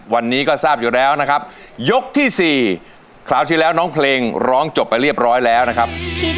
วันนี้ก็ทราบอยู่แล้วนะครับยกที่สี่คราวที่แล้วน้องเพลงร้องจบไปเรียบร้อยแล้วนะครับ